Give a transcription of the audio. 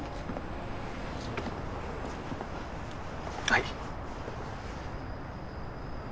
はい。